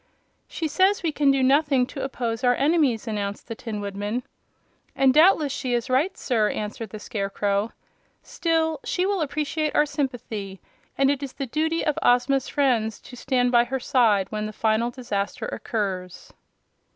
"She says we can do nothing to oppose our enemies," announced the Tin Woodman. "And doubtless she is right, sir," answered the Scarecrow. "Still, she will appreciate our sympathy, and it is the duty of Ozma's friends to stand by her side when the final disaster occurs."